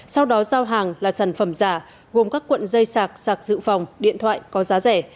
sau đó giao hàng là sản phẩm giả gồm các cuộn dây sạc sạc dự phòng điện thoại có giá rẻ